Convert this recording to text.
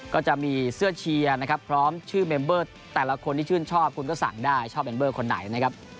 ก็จะมีเสื้อเชียร์นะครับพร้อมชื่อเมมเบอร์แต่ละคนที่ชื่นชอบคุณก็สั่งได้ชอบเมมเบอร์คนไหนนะครับ